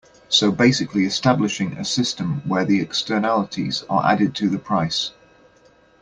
So basically establishing a system where the externalities are added to the price.